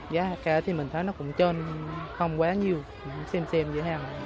giá cả thì mình thấy nó cũng chơn không quá nhiều xem xem giữa hàng